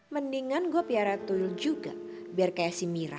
mendingan gue miyara tuyul juga biar kayak si mira